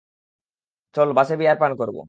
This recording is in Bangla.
চল বাসে বিয়ার পান করব।